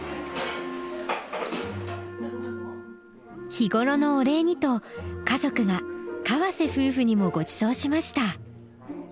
日頃のお礼にと家族が河瀬夫婦にもごちそうしました。